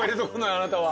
あなたは。